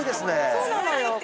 そうなのよ！